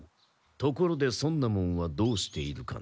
ところで尊奈門はどうしているかな？